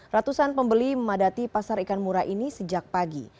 ratusan pembeli memadati pasar ikan murah ini sejak pagi